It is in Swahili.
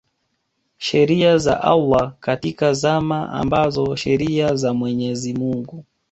sheria za Allah katika zama ambazo sheria za Mwenyezi Mungu